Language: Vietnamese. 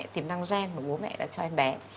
tiềm năng gen mà bố mẹ đã cho em bé